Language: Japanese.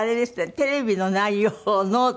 テレビの内容をノートに書く？